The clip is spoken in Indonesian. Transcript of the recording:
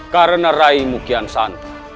karena raimu kian santra